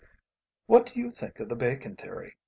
"What do you think of the Bacon theory?"